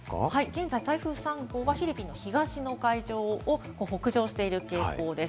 現在、台風３号はフィリピンの東の海上を北上している傾向です。